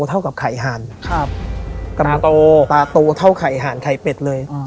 เท่ากับไข่หาญครับตาโตตาโตเท่าไข่หาญไข่เป็ดเลยอืม